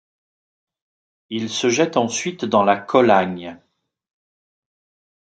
Il se jette ensuite dans la Colagne.